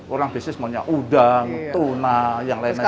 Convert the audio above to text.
orang bisnis maunya udang tuna yang lain lain